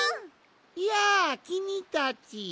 やあきみたち。